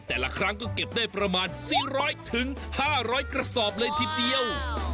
แต่ละครั้งก็เก็บได้ประมาณ๔๐๐๕๐๐กระสอบเลยทีเดียว